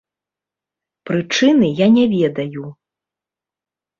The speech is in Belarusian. Прычыны я не ведаю.